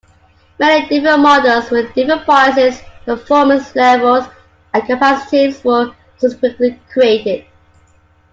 Many different models with different prices, performance levels, and capacities were subsequently created.